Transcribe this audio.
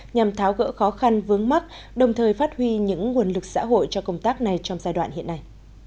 nhằm tháo gỡ khó khăn vướng mắt đồng thời phát huy những nguồn lực xã hội cho công tác này trong giai đoạn hiện nay